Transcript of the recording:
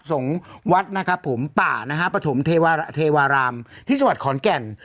ทรงวัดนะครับผมป่านะฮะปฐมเทวารามทธิสวรรค์ขอนแก่น